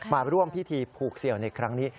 มาร่วมพิธีผูกเสี่ยวในครั้งนี้